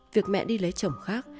việc mẹ đi lấy chồng khác